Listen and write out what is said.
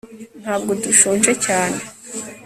ntabwo dushonje cyane